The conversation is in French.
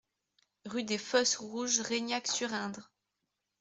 Rue des Fosses Rouges, Reignac-sur-Indre